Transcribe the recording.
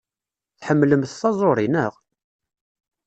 Tḥemmlemt taẓuri, naɣ?